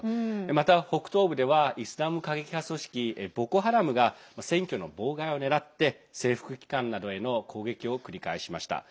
また北東部ではイスラム過激派組織ボコ・ハラムが選挙の妨害を狙って政府機関などへの攻撃を繰り返しました。